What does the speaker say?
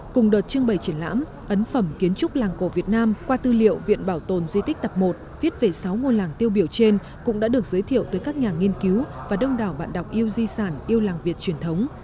cùng đợt trưng bày triển lãm ấn phẩm kiến trúc làng cổ việt nam qua tư liệu viện bảo tồn di tích tập một viết về sáu ngôi làng tiêu biểu trên cũng đã được giới thiệu tới các nhà nghiên cứu và đông đảo bạn đọc yêu di sản yêu làng việt truyền thống